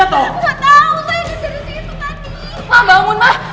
yaudah ayo cepetan